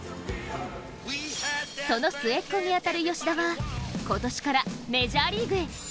その末っ子に当たる吉田は今年からメジャーリーグへ。